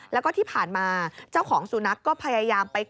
แล้วก็ที่ผ่านมาเจ้าของสุนัขก็พยายามไป